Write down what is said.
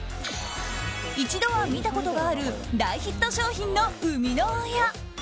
一度は見たことがある大ヒット商品の生みの親。